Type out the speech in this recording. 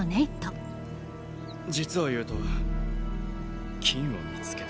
実を言うと金を見つけた。